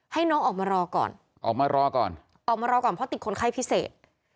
ให้น้องออกมารอก่อนออกมารอก่อนออกมารอก่อนเพราะติดคนไข้พิเศษ